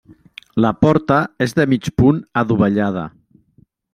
La porta és de mig punt, adovellada.